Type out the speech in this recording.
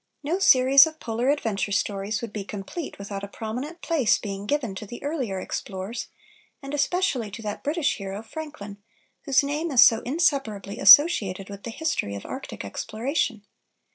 No series of Polar adventure stories would be complete without a prominent place being given to the earlier explorers, and especially to that British hero, Franklin, whose name is so inseparably associated with the history of Arctic exploration.